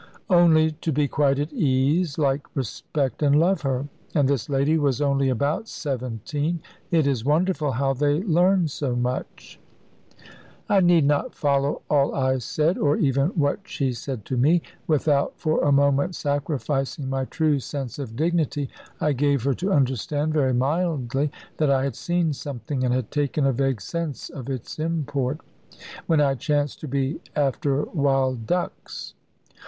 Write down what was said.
Only to be quite at ease, like, respect, and love her. And this lady was only about seventeen! It is wonderful how they learn so much. I need not follow all I said, or even what she said to me. Without for a moment sacrificing my true sense of dignity, I gave her to understand, very mildly, that I had seen something, and had taken a vague sense of its import, when I chanced to be after wild ducks.